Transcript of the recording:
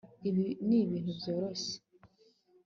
Ibi nibintu byoroshye